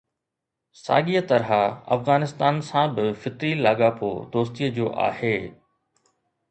ساڳيءَ طرح افغانستان سان به فطري لاڳاپو دوستيءَ جو آهي.